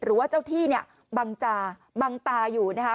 หรือว่าเจ้าที่เนี่ยบังจาบังตาอยู่นะคะ